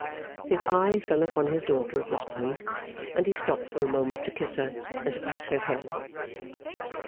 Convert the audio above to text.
His eye fell upon his daughter at this point, and he stopped for a moment to kiss her, and to pat her head.